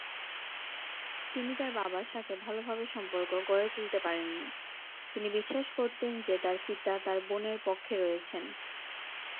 তিনি তার বাবার সাথে ভালভাবে সম্পর্ক গড়ে তুলতে পারেননি, তিনি বিশ্বাস করতেন যে তার পিতা তার বোনের পক্ষে রয়েছেন।